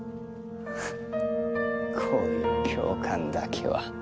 こういう行間だけは。